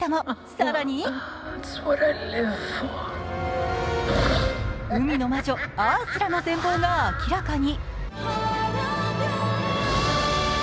更に海の魔女・アースラの全貌が明らかに。